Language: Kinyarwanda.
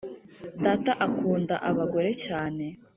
data akunda abagore cyane